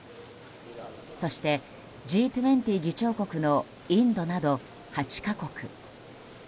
そしてＧ２０議長国のインドなど８か国。